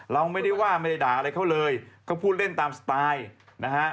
เราไม่ได้ว่าไม่ได้ด่าอะไรเขาเลยเขาพูดเล่นตามสไตล์นะฮะ